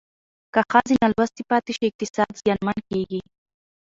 که ښځې نالوستې پاتې شي اقتصاد زیانمن کېږي.